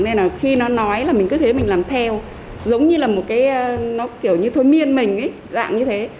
nên là khi nó nói là mình cứ thế mình làm theo giống như là một cái nó kiểu như thôn miên mình ấy dạng như thế